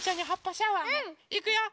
うん！いくよ！